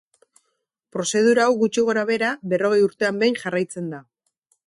Prozedura hau gutxi gorabehera berrogei urtean behin jarraitzen da.